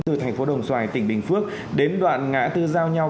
từ thành phố đồng xoài tỉnh bình phước đến đoạn ngã tư giao nhau